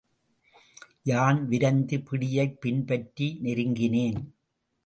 யான் விரைந்து பிடியைப் பின்பற்றி நெருங்கினேன்.